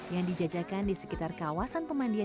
yang dijajakan di sekitar kawasan pemandian